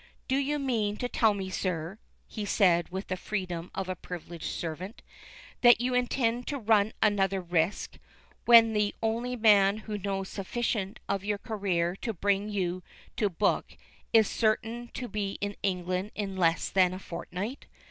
"Do you mean to tell me, sir," he said with the freedom of a privileged servant, "that you intend to run another risk, when the only man who knows sufficient of your career to bring you to book is certain to be in England in less than a fortnight?